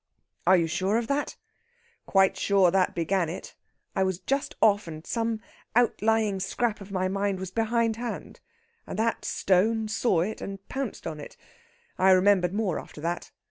"Are you sure of that?" "Quite sure that began it. I was just off, and some outlying scrap of my mind was behindhand, and that stone saw it and pounced on it. I remembered more after that.